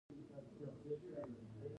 آب وهوا د افغانستان د اقلیم یوه ځانګړتیا ده.